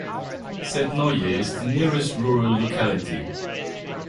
Setnoye is the nearest rural locality.